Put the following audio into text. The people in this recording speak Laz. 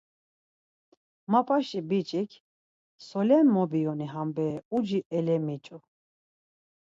Mapaşi biç̌ik, Solen mobioni ham bere, uci elemiç̌u.